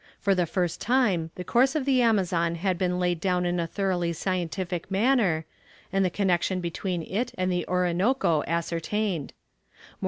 For the first time the course of the Amazon had been laid down in a thoroughly scientific manner, and the connexion between it and the Orinoco ascertained.